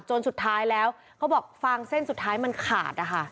สุดท้ายแล้วเขาบอกฟางเส้นสุดท้ายมันขาดนะคะ